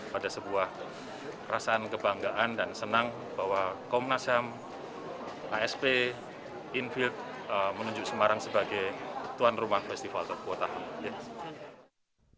pada sebuah rasaan kebanggaan dan senang bahwa komnas ham asp infield menunjuk semarang sebagai tuan rumah festival kota ham